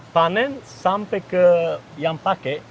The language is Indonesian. panen sampai ke yang pakai